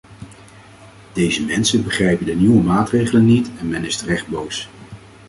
Deze mensen begrijpen de nieuwe maatregelen niet en men is terecht boos.